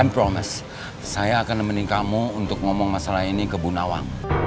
i promise saya akan nemenin kamu untuk ngomong masalah ini ke bu nawang